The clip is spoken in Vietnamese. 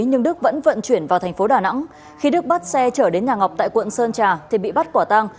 nhưng đức vẫn vận chuyển vào thành phố đà nẵng khi đức bắt xe chở đến nhà ngọc tại quận sơn trà thì bị bắt quả tăng